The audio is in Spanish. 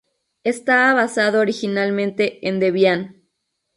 Estaba basado originalmente en Debian.